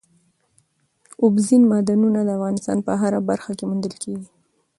اوبزین معدنونه د افغانستان په هره برخه کې موندل کېږي.